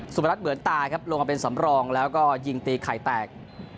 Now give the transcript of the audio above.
รัฐเหมือนตายครับลงมาเป็นสำรองแล้วก็ยิงตีไข่แตก